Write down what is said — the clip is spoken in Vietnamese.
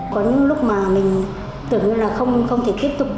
có những lúc mà mình tưởng như là không thể kết thúc